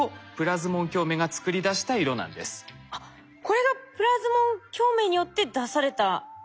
実はこのあっこれがプラズモン共鳴によって出された赤い色？